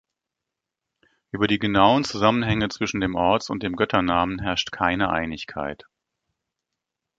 Über die genauen Zusammenhänge zwischen dem Orts- und dem Götternamen herrscht keine Einigkeit.